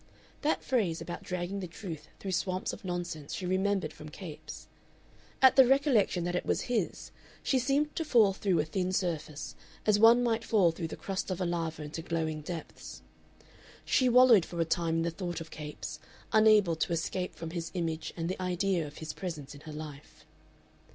That phrase about dragging the truth through swamps of nonsense she remembered from Capes. At the recollection that it was his, she seemed to fall through a thin surface, as one might fall through the crust of a lava into glowing depths. She wallowed for a time in the thought of Capes, unable to escape from his image and the idea of his presence in her life.